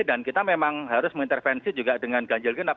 dan kita memang harus mengintervensi juga dengan ganjil ginap